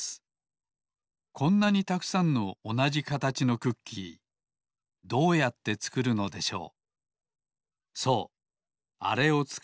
こんなにたくさんのおなじかたちのクッキーどうやってつくるのでしょう。